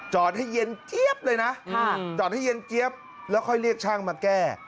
จอดให้เย็นเจี๊ยบเลยนะจอดให้เย็นเจี๊ยบแล้วค่อยเรียกช่างมาแก้